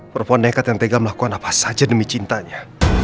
perempuan nekat yang tega melakukan apa saja demi cintanya